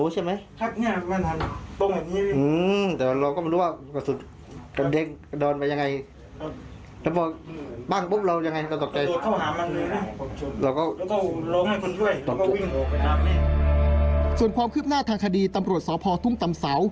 ส่วนความคืบหน้าทางคดีตำรวจสพทุ่งตำเสา